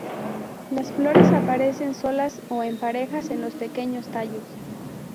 Las flores aparecen solas o en parejas en los pequeños tallos.